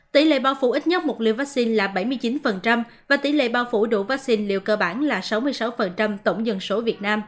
tỷ lệ bao phủ ít nhất một liều vaccine là bảy mươi chín và tỷ lệ bao phủ đủ vaccine liệu cơ bản là sáu mươi sáu tổng dân số việt nam